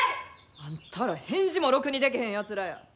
あんたら返事もろくにでけへんやつらや。